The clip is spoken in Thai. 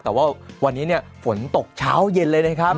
แต่ว่าวันนี้ฝนตกเช้าเย็นเลย